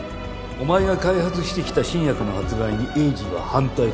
お前が開発してきた新薬の発売に栄治は反対だった